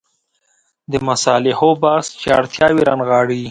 د مصالحو بحث چې اړتیاوې رانغاړي.